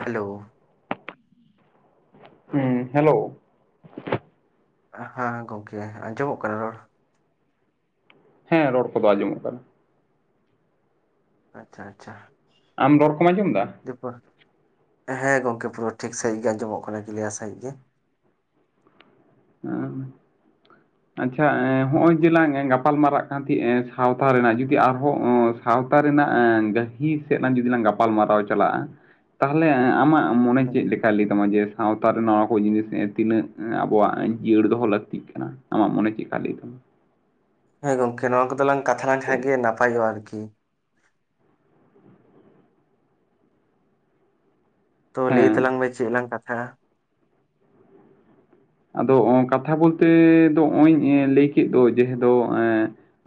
ᱦᱟᱼᱞᱳ ᱾ [unintelligible] ᱦᱩᱸᱼ hello ᱦᱟᱸ ᱜᱚᱢᱠᱮ, ᱟᱸᱡᱚᱢᱚᱜ, ᱠᱟᱱᱟ ᱨᱚᱲ? ᱦᱮᱸ, ᱨᱚᱲ ᱠᱚᱫᱚ, ᱟᱸᱡᱚᱢᱚᱜ ᱠᱟᱱᱟ ᱾ ᱟᱪᱪᱷᱟ, ᱟᱪᱪᱷᱟ ᱾ ᱟᱢ ᱨᱚᱲ, ᱠᱚᱢ ᱟᱸᱡᱚᱢ ᱮᱫᱟ? ᱫᱤᱼᱵᱟᱹ, ᱦᱮᱸ ᱜᱚᱢᱠᱮ, ᱯᱩᱨᱟᱹ ᱴᱷᱤᱠ ᱥᱟᱹᱦᱤᱡ ᱜᱮ, ᱟᱸᱡᱚᱢᱚᱜ ᱠᱟᱱᱟ, ᱠᱤᱞᱤᱭᱟᱨ ᱥᱟᱹᱦᱤᱡ ᱜᱮ ᱾ ᱦᱟᱸᱻᱝ, ᱪᱚᱼᱜ ᱾ ᱟᱪᱪᱷᱟ, ᱮᱸᱼ ᱦᱚᱜᱼᱚᱭ ᱡᱮᱞᱟᱝ, ᱜᱟᱯᱟᱞ ᱢᱟᱨᱟᱜ ᱠᱟᱱ, ᱛᱟᱦᱮᱡ ᱥᱟᱶᱛᱟ ᱨᱮᱱᱟᱜ, ᱡᱩᱫᱤ ᱟᱨᱦᱚᱸ ᱥᱟᱶᱛᱟ ᱨᱮᱱᱟᱜ, ᱜᱟᱹᱦᱤ ᱥᱮᱫ ᱞᱟᱝ ᱡᱩᱫᱤ ᱞᱟᱝ, ᱜᱟᱯᱟᱞ ᱢᱟᱨᱟᱣ ᱪᱟᱞᱟᱜᱼᱟ, ᱛᱟᱦᱚᱞᱮ, ᱟᱢᱟᱜ ᱟᱢ ᱢᱚᱱᱮ, ᱦᱮᱸ ᱪᱮᱫ ᱞᱮᱠᱟ, ᱞᱟᱹᱭ ᱛᱟᱢᱟ, ᱡᱮ ᱥᱟᱶᱛᱟ ᱨᱮ, ᱱᱚᱣᱟ ᱠᱚ, ᱡᱤᱱᱤᱥ ᱛᱤᱱᱟᱹᱜ? ᱟᱵᱚᱣᱟᱜ ᱡᱤᱭᱟᱹᱲ ᱫᱚᱦᱚ, ᱞᱟᱹᱠᱛᱤᱜ ᱠᱟᱱᱟ ᱾ ᱟᱢᱟᱜ ᱢᱚᱱᱮ, ᱪᱮᱫᱠᱟ ᱞᱟᱹᱭ ᱛᱟᱢᱟ? ᱦᱮᱸ ᱜᱚᱝᱠᱮ, ᱱᱚᱣᱟ ᱠᱚᱫᱚᱞᱟᱝ, ᱠᱟᱛᱷᱟ ᱞᱮᱱᱠᱷᱟᱱ ᱜᱮ, ᱱᱟᱯᱟᱭᱚᱜᱼᱟ ᱟᱨᱠᱤ ᱾ ᱛᱚ, ᱞᱟᱹᱭ ᱦᱮᱸ ᱛᱟᱞᱟᱝ ᱢᱮ, ᱪᱮᱫ ᱞᱟᱝ ᱠᱟᱛᱷᱟᱜᱼᱟ? ᱟᱫᱚ, ᱠᱟᱛᱷᱟ ᱵᱚᱞᱛᱮ ᱫᱚ, ᱱᱚᱜᱼᱚᱭ ᱤᱧ ᱞᱟᱹᱭ ᱠᱮᱫ ᱫᱚ, ᱡᱮᱦᱮ ᱫᱚ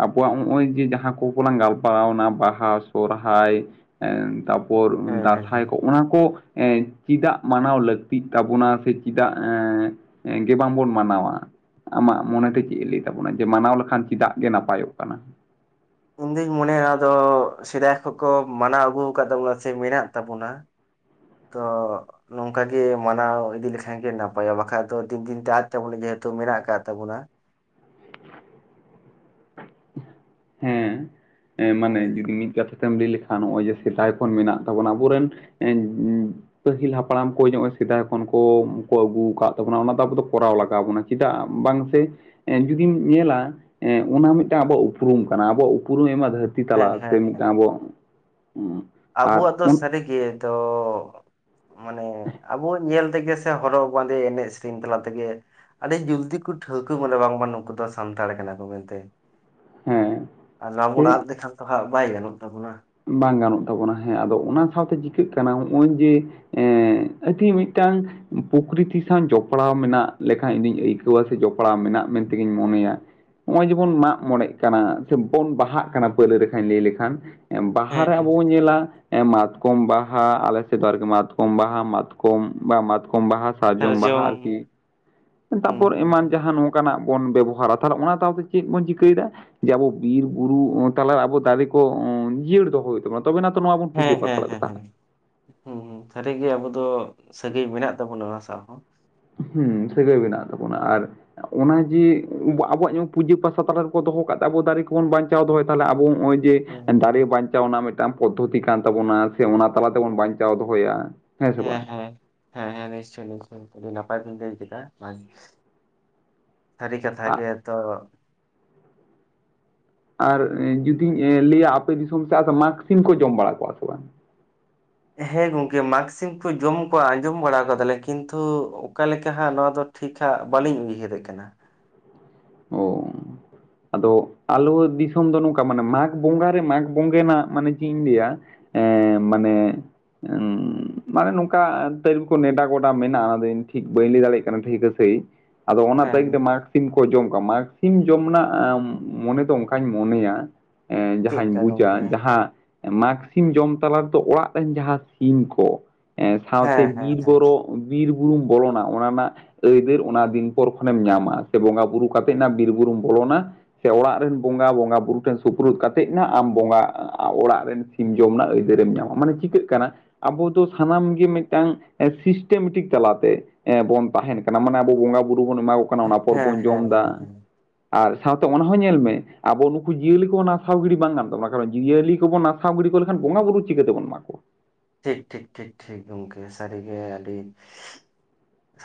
ᱟᱵᱚᱣᱟᱜ, ᱱᱚᱜᱼᱚᱭ ᱡᱮ, ᱡᱟᱦᱟᱸ ᱠᱚᱠᱚ, ᱞᱟᱝ ᱜᱟᱞ ᱢᱟᱨᱟᱣ ᱮᱱᱟ, ᱵᱟᱦᱟ, ᱥᱚᱨᱦᱟᱭ ᱛᱟᱨ ᱯᱚᱨ, ᱦᱮᱸ ᱦᱮᱸ ᱦᱮᱸ ᱫᱟᱸᱥᱟᱭ ᱠᱚ ᱚᱱᱟ ᱠᱚ, ᱪᱮᱫᱟᱜ ᱢᱟᱱᱟᱣ ᱞᱟᱹᱠᱛᱤᱜ, ᱛᱟᱵᱚᱱᱟ, ᱥᱮ, ᱪᱮᱫᱟᱜ, ᱮᱸᱻ ᱜᱮ, ᱵᱟᱝ ᱵᱚᱱ ᱢᱟᱱᱟᱣᱟ? ᱟᱢᱟᱜ ᱢᱚᱱᱮ ᱛᱮ, ᱪᱮᱫ ᱮ ᱞᱟᱹᱭ ᱛᱟᱵᱚᱱᱟ, ᱡᱮ ᱢᱟᱱᱟᱣ ᱞᱮᱠᱷᱟᱱ, ᱪᱮᱫᱟᱜ ᱜᱮ, ᱱᱟᱯᱟᱭᱚᱜ ᱠᱟᱱᱟ? ᱤᱧ ᱫᱩᱧ ᱢᱚᱱᱮᱭᱟ, ᱱᱚᱣᱟ ᱫᱚ, ᱥᱮᱫᱟᱭ ᱠᱷᱚᱱ ᱠᱚ, ᱢᱟᱱᱟᱣ ᱟᱹᱜᱩ ᱟᱠᱟᱫ ᱛᱟᱵᱚᱱᱟ, ᱥᱮ, ᱢᱮᱱᱟᱜ ᱛᱟᱵᱚᱱᱟ ᱾ [inaudible] ᱛᱚᱻᱜ ᱾ ᱱᱚᱝᱠᱟ ᱜᱮ, ᱢᱟᱱᱟᱣ ᱤᱫᱤ ᱞᱮᱠᱷᱟᱱᱜ ᱜᱮ, ᱱᱟᱯᱟᱭᱚᱜᱼᱟ ᱾ ᱵᱟᱠᱷᱟᱡ ᱫᱚ, ᱫᱤᱱ ᱫᱤᱱ ᱛᱮ, ᱟᱫ ᱛᱟᱵᱚᱱᱟ, ᱡᱮ ᱦᱮᱛᱩ ᱢᱮᱱᱟᱜ, ᱟᱠᱟᱫ ᱛᱟᱵᱚᱱᱟ ᱾ ᱦᱮᱸ, ᱢᱟᱱᱮ, ᱦᱳᱭ ᱡᱩᱫᱤ ᱢᱤᱫ ᱠᱟᱛᱷᱟ ᱛᱮᱢ, ᱞᱟᱹᱭ ᱞᱮᱠᱷᱟᱱ ᱱᱚᱜᱼᱚᱭ ᱡᱮ, ᱥᱮᱫᱟᱭ ᱠᱷᱚᱱ ᱢᱮᱱᱟᱜ ᱛᱟᱵᱚᱱᱟ, ᱟᱵᱚ ᱨᱮᱱ ᱯᱟᱹᱦᱤᱞ ᱦᱟᱯᱲᱟᱢ ᱠᱚ, ᱱᱚᱜᱼᱚᱭ, ᱥᱮᱫᱟᱭ ᱠᱷᱚᱱ ᱠᱚ, ᱠᱚ ᱟᱹᱜᱩ ᱟᱠᱟᱫ ᱛᱟᱵᱚᱱᱟ, ᱚᱱᱟ ᱫᱚ ᱟᱵᱚ ᱠᱚᱨᱟᱣ ᱦᱮᱸ ᱞᱟᱜᱟᱣ ᱟᱵᱚᱱᱟ, ᱪᱮᱫᱟᱜ ᱵᱟᱝ ᱥᱮ, ᱡᱩᱫᱤᱢ ᱧᱮᱞᱟ, ᱚᱱᱟ ᱢᱤᱫᱴ ᱢᱤᱫᱴᱟᱝ, ᱟᱵᱚ ᱩᱯᱨᱩᱢ ᱠᱟᱱᱟ, ᱟᱵᱚᱣᱟᱜ ᱩᱯᱨᱩᱢ, ᱟᱭᱢᱟ ᱫᱷᱟᱹᱨᱛᱤ ᱦᱮᱸ ᱛᱟᱞᱟ ᱥᱮ, ᱦᱮᱸ ᱢᱤᱫᱴᱟᱝ ᱟᱵᱚᱣᱟᱜ ᱟᱵᱚᱣᱟᱜ ᱫᱚ, ᱥᱟᱹᱨᱤ ᱜᱮ ᱫᱚ ᱢᱟᱱᱮ, ᱟᱵᱚ ᱧᱮᱞ ᱛᱮᱜᱮ, ᱥᱮ, ᱦᱚᱨᱚᱜ ᱵᱟᱸᱫᱮ, ᱮᱱᱮᱡ ᱥᱮᱨᱮᱧ, ᱛᱟᱞᱟ ᱛᱮᱜᱮ, ᱟᱹᱰᱤ ᱡᱚᱞᱫᱤ ᱠᱚ, ᱴᱷᱟᱹᱣᱠᱟᱹ ᱵᱚᱱᱟ, ᱵᱟᱝᱢᱟ ᱱᱩᱠᱩ ᱫᱚ, ᱥᱟᱱᱛᱟᱲ ᱠᱟᱱᱟ ᱠᱚ, ᱢᱮᱱᱛᱮ ᱾ ᱦᱮᱸ ᱟᱨ, ᱱᱚᱣᱟ ᱥᱮ ᱵᱚᱱ, ᱟᱫ ᱞᱮᱠᱷᱟᱱ ᱫᱚ ᱦᱟᱸᱜ, ᱵᱟᱭ ᱜᱟᱱᱚᱜ ᱛᱟᱵᱚᱱᱟ ᱾ ᱵᱟᱝ ᱜᱟᱱᱚᱜ ᱛᱟᱵᱚᱱᱟ᱾ ᱦᱮᱸ, ᱟᱫᱚ, ᱚᱱᱟ ᱥᱟᱶᱛᱮ, ᱪᱤᱠᱟᱹᱜ ᱠᱟᱱᱟ, ᱦᱚᱜᱼᱚᱭ, ᱡᱮ ᱮᱸᱻ, ᱟᱹᱰᱤ, ᱢᱤᱫᱴᱟᱝ ᱯᱚᱠᱨᱤᱛᱤ ᱥᱟᱶ, ᱡᱚᱯᱲᱟᱣ ᱢᱮᱱᱟᱜ, ᱞᱮᱠᱟᱸᱧ, ᱤᱧᱫᱩᱧ ᱟᱹᱭᱠᱟᱹᱣᱟ, ᱥᱮ, ᱡᱚᱯᱲᱟᱣ ᱢᱮᱱᱟᱜ, ᱢᱮᱱᱛᱮ ᱜᱤᱧ ᱢᱚᱱᱮᱭᱟ ᱾ ᱱᱚᱜᱼᱚᱭ, ᱡᱮ ᱵᱚᱱ, ᱢᱟᱜ ᱢᱚᱬᱮᱜ ᱠᱟᱱᱟ, ᱥᱮ ᱵᱚᱱ, ᱵᱟᱦᱟᱜ ᱠᱟᱱᱟ, ᱯᱟᱹᱭᱞᱟᱹ ᱨᱮᱠᱷᱟᱧ ᱞᱟᱹᱭ ᱞᱮᱠᱷᱟᱱ ᱵᱟᱦᱟ ᱦᱮᱸ ᱨᱮ, ᱦᱮᱸ ᱟᱵᱚ ᱵᱚᱱ, ᱧᱮᱞᱟ ᱮ ᱢᱟᱛᱠᱚᱢ ᱵᱟᱦᱟ ᱟᱞᱮ ᱥᱮᱫ ᱫᱚ ᱟᱨᱠᱤ ᱢᱟᱛᱠᱚᱢ ᱵᱟᱦᱟ, ᱢᱟᱛᱠᱚᱢ ᱵᱟ, ᱢᱟᱛᱠᱚᱢ ᱵᱟᱦᱟ ᱥᱟᱨᱡᱚᱢ ᱵᱟᱦᱟ ᱟᱨᱠᱤ ᱦᱩᱸ ᱛᱟᱯᱚᱨ ᱦᱩᱸ ᱮᱢᱟᱱ ᱦᱩᱸ ᱡᱟᱦᱟᱸ ᱱᱚ- -ᱠᱟ ᱱᱟᱜ ᱵᱚᱱ ᱵᱮᱵᱚᱦᱟᱨᱟ ᱛᱟᱞᱮ ᱚᱱᱟ ᱛᱟᱞ ᱛᱮ ᱪᱮᱜ ᱵᱚᱱ ᱪᱤᱠᱟᱹᱭᱮᱫᱟ? ᱡᱮ ᱵᱚ ᱵᱤᱨ, ᱵᱩᱨᱩ ᱚᱸ ᱛᱟᱞᱟ ᱨᱮ ᱟᱵᱚ ᱫᱟᱨᱮ ᱠᱚ ᱚᱸ ᱡᱤᱭᱟᱹᱲ ᱫᱚᱦᱚ ᱭᱩᱜ ᱛᱟᱵᱚᱱᱟ ᱛᱚᱵᱮ ᱱᱟᱛᱚ ᱱᱚᱣᱟ ᱵᱚᱱ ᱦᱮᱸ ᱯᱩᱡᱟᱹ ᱦᱮᱸ ᱯᱟᱥᱲᱟ ᱦᱮᱸ ᱫᱟᱛᱟ᱾ ᱦᱮᱸ ᱦᱩᱸ, ᱦᱩᱸ, ᱥᱟᱹᱨᱤᱜᱮ ᱟᱵᱚ ᱫᱚ ᱥᱟᱹᱜᱟᱹᱭ ᱢᱮᱱᱟᱜ ᱛᱟᱵᱚᱱᱟ ᱚᱱᱟ ᱥᱟᱶ ᱦᱚᱸ᱾ ᱦᱩᱸ, ᱥᱟᱹᱜᱟᱹᱭ ᱵᱮᱱᱟᱜ ᱛᱟᱵᱚᱱᱟ ᱟᱨ ᱚᱱᱟ ᱡᱮ ᱩᱸᱵᱟ ᱟᱵᱚᱣᱟᱜ ᱧᱮ ᱯᱩᱡᱟᱹ-ᱯᱟᱥᱟ ᱛᱟᱞᱟ ᱨᱮᱠᱚ ᱫᱚᱦᱚ ᱠᱟᱜ ᱛᱮ, ᱟᱵᱚ ᱫᱟᱨᱮ ᱠᱚᱵᱚᱱ ᱵᱟᱧᱪᱟᱣ ᱫᱚᱦᱚᱭ, ᱛᱟᱦᱞᱮ ᱟᱵᱚ ᱶᱚᱜᱼᱚᱭ ᱡᱮ ᱫᱟᱨᱮ ᱵᱟᱧᱪᱟᱣ ᱱᱟᱜ ᱢᱤᱴᱟᱝ ᱯᱚᱫᱽᱫᱷᱚᱛᱤ ᱠᱟᱱ ᱛᱟᱵᱚᱱᱟ ᱟᱨᱥᱮ ᱚᱱᱟ ᱛᱟᱞᱟ ᱛᱮᱵᱚᱱ ᱵᱟᱧᱪᱟᱣ ᱫᱚᱦᱚᱭᱟ᱾ ᱦᱮᱸ ᱥᱮ ᱵᱟ! ᱦᱮᱸ, ᱦᱮᱸ, ᱱᱤᱥᱪᱚᱭ-ᱱᱤᱥᱪᱚᱭ ᱚᱰᱤ ᱱᱟᱯᱟᱭ ᱪᱤᱱᱛᱟᱹ ᱠᱮᱫᱟ ᱢᱟᱥ ᱛᱷᱟᱨᱤ ᱠᱟᱛᱷᱟ ᱜᱮ ᱛᱚ᱾ ᱟᱨ ᱮᱸ ᱡᱩᱫᱤᱧ ᱮᱸ ᱞᱟᱹᱭᱟ ᱟᱯᱮ ᱫᱤᱥᱚᱢ ᱥᱮᱜ ᱟᱥᱮ 'ᱢᱟᱜᱽ ᱥᱤᱢ' ᱠᱚ ᱡᱚᱢ ᱵᱟᱲᱟ ᱠᱚᱜᱣᱟ ᱥᱮ ᱵᱟᱝ? ᱦᱮᱸ ᱜᱚᱝᱠᱮ, 'ᱢᱟᱜᱽ ᱥᱤᱢ' ᱠᱚ ᱡᱚᱢ ᱠᱚᱣᱟ ᱟᱸᱡᱚᱢ ᱵᱟᱲᱟ ᱠᱟᱫᱟᱞᱮ᱾ ᱠᱤᱱᱛᱩ ᱚᱠᱟ ᱞᱮᱠᱟ ᱦᱟᱸᱜ ᱱᱚᱣᱟ ᱫᱚ? ᱴᱷᱤᱠᱷᱟᱜ ᱵᱟᱹᱞᱤᱧ ᱩᱭᱦᱟᱹᱨᱮᱜ ᱠᱟᱱᱟ! ᱚᱣ᱾ ᱟᱫᱚ ᱟᱞᱚ ᱫᱤᱥᱚᱢ ᱫᱚ ᱱᱚᱝᱠᱟ ᱢᱟᱱᱮ 'ᱢᱟᱜᱽ ᱵᱚᱸᱜᱟ' ᱨᱮ 'ᱢᱟᱜᱽ ᱵᱚᱸᱜᱮ' ᱱᱟᱜ ᱢᱟᱱᱮ ᱪᱮᱜ ᱤᱧ ᱞᱟᱹᱭᱟ! ᱮᱸ ᱢᱟᱱᱮ ᱧᱟ ᱩᱸ ᱢᱟᱱᱮ ᱱᱚᱝᱠᱟ ᱛᱟᱹᱨᱤᱵ ᱠᱚ ᱱᱮᱰᱟ-ᱜᱚᱰᱟ ᱢᱮᱱᱟᱜᱼᱟ, ᱟᱫᱚ ᱤᱱ ᱴᱷᱤᱠ ᱵᱟᱹᱧ ᱞᱟᱹᱭ ᱫᱟᱲᱮᱭᱟᱜ ᱠᱟᱱᱟ ᱴᱷᱤᱠ ᱟᱥᱮ ᱥᱮᱹᱻ ᱟᱫᱚ ᱚᱱᱟ ᱦᱮᱸ ᱛᱟᱭᱤᱢ ᱛᱮ 'ᱢᱟᱜᱽ ᱥᱤᱢ' ᱠᱚ ᱡᱚᱢ ᱠᱚᱣᱟ 'ᱢᱟᱜᱽ ᱥᱤᱢ' ᱡᱚᱢ ᱱᱟᱜ ᱟᱼᱢ ᱢᱚᱱᱮ ᱫᱚ ᱚᱝᱠᱟᱧ ᱢᱚᱱᱮᱭᱟ᱾ ᱮᱸ ᱡᱟᱦᱟᱧ ᱪᱮᱫᱠᱟ ᱜᱚᱝᱠᱮ ᱵᱩᱡᱟ, ᱡᱟᱦᱟᱸ ᱮ 'ᱢᱟᱜᱽ ᱥᱤᱢ' ᱡᱚᱢ ᱛᱟᱞᱟᱫᱽ ᱫᱚ ᱚᱲᱟᱜ ᱨᱮᱱ ᱡᱟᱦᱟᱸ ᱥᱤᱧ ᱠᱚ ᱮᱸ ᱦᱮᱸ ᱥᱟᱶᱛᱮ ᱦᱮᱸ ᱵᱤᱨ, ᱦᱮᱸ ᱵᱳᱨᱳ ᱵᱤᱨ, ᱵᱩᱨᱩᱢ ᱵᱚᱞᱚᱱᱟ ᱚᱱᱟ ᱱᱟᱜ ᱟᱹᱭᱫᱟᱹᱨ, ᱚᱱᱟ ᱫᱤᱱ ᱯᱚᱨ ᱠᱷᱚᱱᱮᱢ ᱧᱟᱢᱟ ᱥᱮ ᱵᱚᱸᱜᱟ ᱵᱩᱨᱩ ᱠᱟ ᱛᱮᱱᱟ ᱵᱤᱨ, ᱵᱩᱨᱩᱢ ᱵᱚᱞᱚᱱᱟ᱾ ᱥᱮ ᱚᱲᱟᱜ ᱨᱮᱱ ᱵᱚᱸᱜᱟ, ᱵᱚᱸᱜᱟ-ᱵᱩᱨᱩ ᱴᱷᱮᱱ ᱥᱩᱯᱨᱩᱫ ᱠᱟᱛᱮ ᱱᱟᱜ, ᱟᱢ ᱵᱚᱸᱜᱟ ᱚᱲᱟᱜ ᱨᱮᱱ ᱥᱤᱢ ᱡᱚᱢ ᱱᱟᱜ ᱟᱹᱭᱫᱟᱹᱨᱮᱢ ᱧᱟᱢᱟ, ᱢᱟᱱᱮ ᱪᱤᱠᱟᱹᱜ ᱠᱟᱱᱟ ᱟᱵᱚ ᱫᱚ ᱛᱷᱟᱱᱟᱢ ᱜᱮ ᱢᱤᱴᱟᱝ 'ᱮᱥᱤᱥᱴᱮ ᱢᱮᱴᱤᱠ' ᱛᱟᱞᱟᱛᱮ᱾ ᱮᱸ ᱵᱚᱱ ᱛᱟᱦᱮᱱ ᱠᱟᱱᱟ, ᱢᱟᱱᱮ ᱟᱵᱚ ᱵᱚᱸᱜᱟ-ᱵᱩᱨᱩ ᱵᱚᱱ ᱮᱢᱟ ᱠᱚ ᱠᱟᱱᱟ, ᱚᱱᱟ ᱯᱚᱨ ᱦᱮᱸ ᱵᱚᱱ ᱦᱮᱸ ᱡᱚᱢ ᱦᱮᱸ ᱫᱟ᱾ ᱦᱮᱸ ᱟᱨ ᱥᱟᱶᱛᱮ ᱚᱱᱟ ᱦᱚᱸ ᱧᱮᱞ ᱢᱮ ᱟᱵᱚ ᱱᱩᱠᱩ ᱡᱤᱭᱟᱹᱞᱤ ᱠᱚ ᱱᱟᱥᱟᱣ ᱜᱤᱰᱤ ᱵᱟᱝ ᱜᱟᱱ ᱛᱟᱵᱚᱱᱟ, ᱠᱟᱨᱚᱱ ᱡᱤᱣᱭᱟᱹᱞᱤ ᱠᱚᱵᱚᱱ ᱱᱟᱥ- -ᱥᱟᱣ ᱜᱤᱰᱤ ᱠᱚ ᱞᱮᱠᱷᱟᱱ ᱵᱚᱸᱜᱟ-ᱵᱩᱨᱩ ᱪᱤᱠᱟᱹ ᱛᱮ ᱵᱚᱱ ᱢᱟᱠᱚᱣᱟ? ᱴᱷᱤᱠ, ᱴᱷᱤᱠ, ᱴᱷᱤ ᱜᱚᱢᱠᱮ ᱥᱟᱹᱨᱤᱜᱮ ᱟᱹᱰᱤ